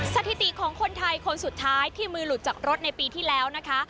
สถิติของคนไทยคนสุดท้ายที่มือหลุดจากรถในปีที่แล้วนะคะ